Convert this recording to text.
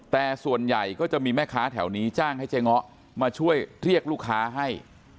แต่ส่วนใหญ่ก็จะมีแม่ค้าแถวนี้จ้างให้เจ๊ง้อมาช่วยเรียกลูกค้าให้